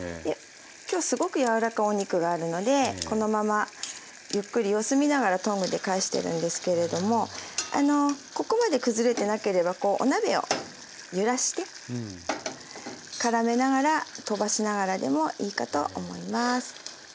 今日すごく柔らかいお肉があるのでこのままゆっくり様子見ながらトングで返してるんですけれどもここまで崩れてなければこうお鍋を揺らしてからめながらとばしながらでもいいかと思います。